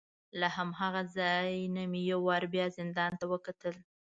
له هماغه ځای نه مې یو وار بیا زندان ته وکتل.